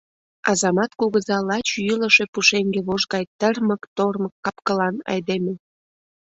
Азамат кугыза лач йӱлышӧ пушеҥге вож гай тырмык-тормык капкылан айдеме.